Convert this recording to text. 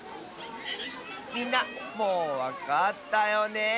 みんなもうわかったよね！